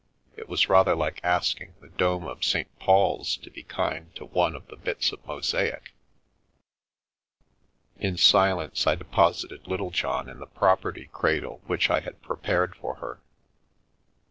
It was rather like asking the dome of St. Paul's to be kind to one of the bits of mosaic" In silence I deposited Littlejohn in the property cradle which I had prepared for her.